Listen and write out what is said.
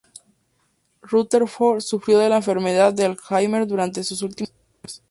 Rutherford sufrió de la enfermedad de Alzheimer durante sus últimos años.